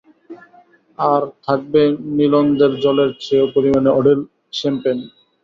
আর, থাকবে নীলনদের জলের চেয়েও পরিমাণে অঢেল শ্যাম্পেন!